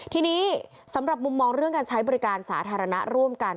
ทีนี้สำหรับมุมมองเรื่องการใช้บริการสาธารณะร่วมกัน